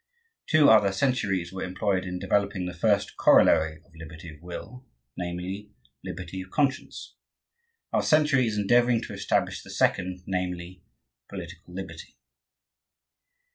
Two other centuries were employed in developing the first corollary of liberty of will, namely, liberty of conscience. Our century is endeavoring to establish the second, namely, political liberty.